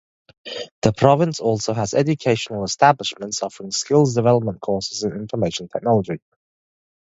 The province also has educational establishments offering skills development courses in Information Technology.